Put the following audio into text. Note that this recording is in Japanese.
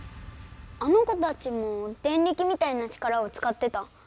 あの子たちもデンリキみたいな力を使ってた。